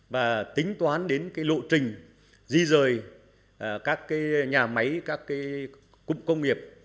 và tính toán đến lộ trình di rời các nhà máy các cụm công nghiệp